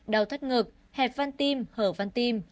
đau thắt ngược hẹp văn tim hở văn tim